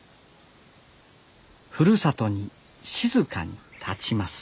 ふるさとに静かにたちます